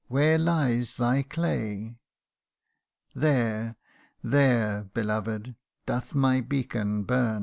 where lies thy clay There there, beloved, doth my beacon burn